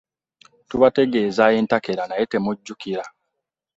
Tubategeeza entakera naye temujjukira.